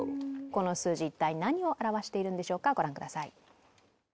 この数字一体何を表しているんでしょうかご覧ください